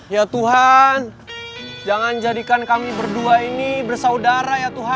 ya tuhan jangan jadikan kami berdua ini bersaudara ya tuhan